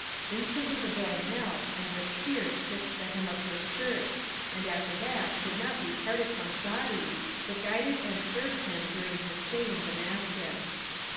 Instantly the boy knelt and with tears kissed the hem of his skirt, and after that could not be parted from Saadi, but guided and served him during his stay in Da mascus.